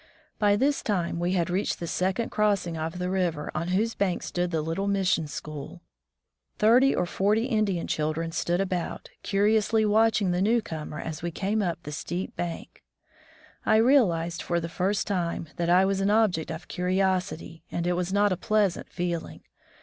By this time we had reached the second crossing of the river, on whose bank stood the little mission school. Thirty or forty Indian children stood about, ciu'iously watching the newcomer as we came up the steep bank. I realized for the first time that I was an object of curiosity, and it was not a pleasant feeling.